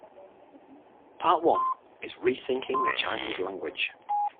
Part One is Rethinking The Chinese Language.